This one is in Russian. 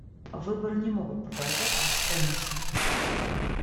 Выборы не могут продолжаться бесконечно.